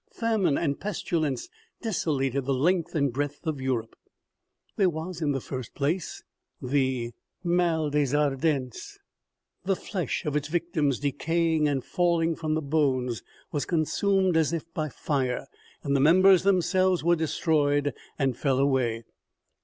Famine and pestilence desolated the length and breadth of Europe. There was in the first place the " mal des ardents," the flesh of its victims decaying and falling from the bones, was consumed as by fire, and the members themselves were destroyed and fell away.